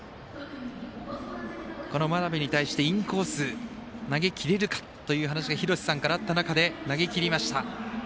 真鍋に対してインコース投げきれるかという話があった中で投げきりました。